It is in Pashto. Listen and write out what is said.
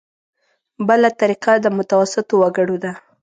بله طریقه د متوسطو وګړو ده.